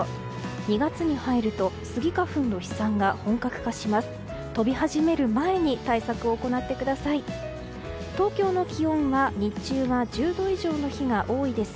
２月に入るとスギ花粉の飛散が本格化します。